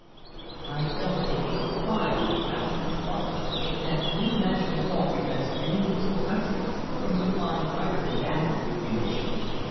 "I don't think you will find," Pamela replied, "that international law prevents any neutral country from supplying either combatant with munitions.